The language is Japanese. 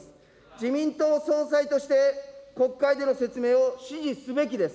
自民党総裁として、国会での説明を指示すべきです。